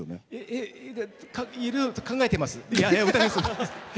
えいろいろと考えています。